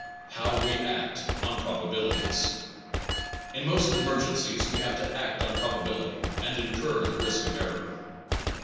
How WE ACT ON PROBABILITIES In most emergencies we have to act on probabil ity, and incur the risk of error.